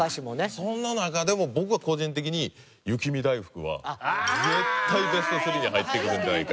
そんな中でも僕は個人的に雪見だいふくは絶対ベスト３に入ってくるんじゃないか。